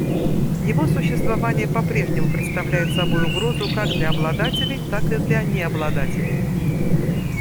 Его существование по-прежнему представляет собой угрозу как для обладателей, так и для необладателей.